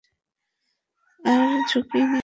আর ঝুঁকি নিও না।